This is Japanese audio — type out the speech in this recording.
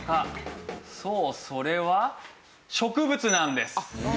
そうそれは植物なんです。